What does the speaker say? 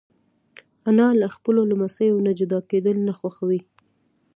انا له خپلو لمسیو نه جدا کېدل نه خوښوي